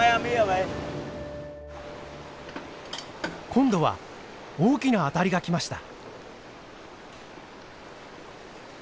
今度は大きな当たりが来ました。